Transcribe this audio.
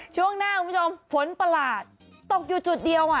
ช่วงหน้าคุณผู้ชมฝนประหลาดตกอยู่จุดเดียวอ่ะ